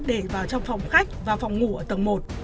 để vào trong phòng khách và phòng ngủ ở tầng một